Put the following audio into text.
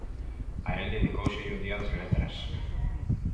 A el dedicóuselle o Día das letras.